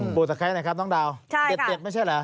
ปลูกตะไคร้นะครับน้องดาวเด็กไม่ใช่เหรอคะ